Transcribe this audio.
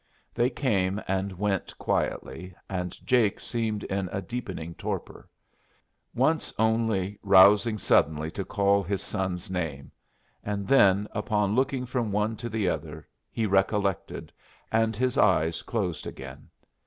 They came and went quietly, and Jake seemed in a deepening torpor, once only rousing suddenly to call his son's name, and then, upon looking from one to the other, he recollected, and his eyes closed again.